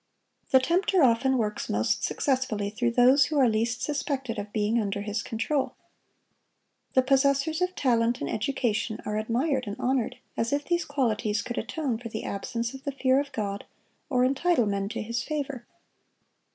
The tempter often works most successfully through those who are least suspected of being under his control. The possessors of talent and education are admired and honored, as if these qualities could atone for the absence of the fear of God, or entitle men to His favor.